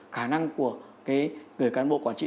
khả năng của cái người cán bộ quản trị